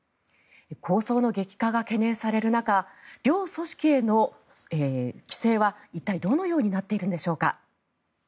抗争の激化が懸念される中両組織への規制は一体、どのようになっているんでしょうか。